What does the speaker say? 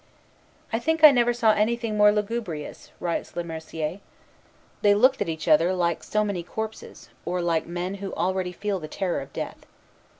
"I think I never saw anything more lugubrious," writes Le Mercier: "they looked at each other like so many corpses, or like men who already feel the terror of death.